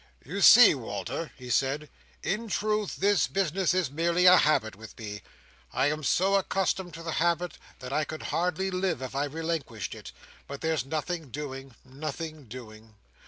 "You see, Walter," he said, "in truth this business is merely a habit with me. I am so accustomed to the habit that I could hardly live if I relinquished it: but there's nothing doing, nothing doing.